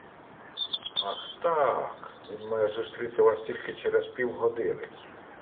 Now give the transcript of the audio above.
Ах, так: він має зустріти вас тільки через півгодини.